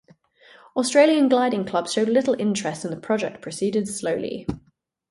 Australian gliding clubs showed little interest and the project proceeded slowly.